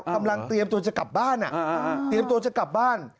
กำลังเตรียมตัวจะกลับบ้าน